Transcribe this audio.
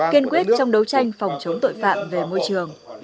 kiên quyết trong đấu tranh phòng chống tội phạm về môi trường